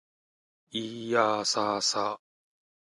いーやーさーさ